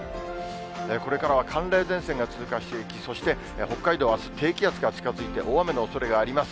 これからは寒冷前線が通過していき、そして北海道はあす、低気圧が近づいて、大雨のおそれがあります。